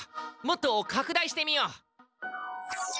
もっと拡大してみよう。